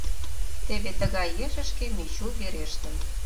Теве тыгай ешышке Мичу верештын.